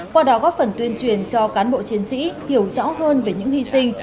qua đó góp phần tuyên truyền cho cán bộ chiến sĩ hiểu rõ hơn về những hy sinh